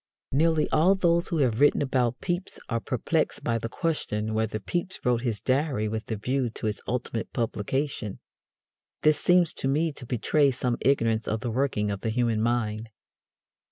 Nearly all those who have written about Pepys are perplexed by the question whether Pepys wrote his Diary with a view to its ultimate publication. This seems to me to betray some ignorance of the working of the human mind.